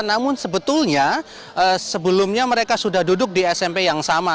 namun sebetulnya sebelumnya mereka sudah duduk di smp yang sama